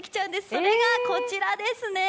それがこちらです。